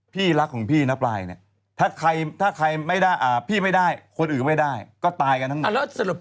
พี่รักของพี่นะปลายเนี่ยถ้าใครไม่ได้พี่ไม่ได้คนอื่นไม่ได้ก็ตายกันทั้งหมด